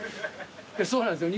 そうなんですよ